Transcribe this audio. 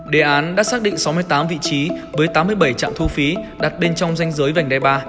đề án đã xác định sáu mươi tám vị trí với tám mươi bảy trạm thu phí đặt bên trong danh giới vành đai ba